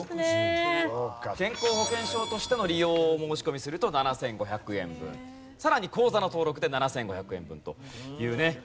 健康保険証としての利用申し込みすると７５００円分さらに口座の登録で７５００円分というね